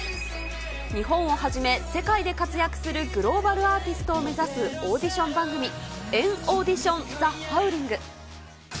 日本をはじめ、世界で活躍するグローバルアーティストを目指すオーディション番組、エンオーディションザ・ハウリング。